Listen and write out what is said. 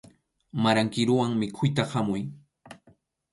Maran kiruwan mikhuyta khamuy.